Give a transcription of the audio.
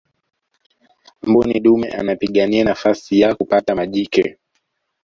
mbuni dume anapigania nafasi ya kupata majike